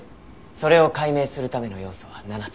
それを解明するための要素は７つ。